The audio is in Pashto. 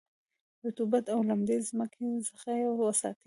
د رطوبت او لمدې مځکې څخه یې وساتی.